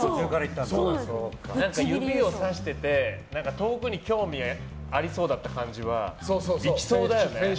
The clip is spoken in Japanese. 指をさしてて、遠くに興味がありそうだった感じは行きそうだよね。